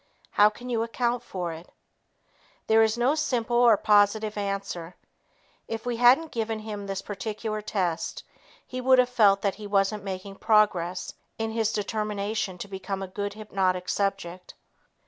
How can you account for it? There is no simple or positive answer. If we hadn't given him this particular test, he would have felt that he wasn't making progress in his determination to become a good hypnotic subject.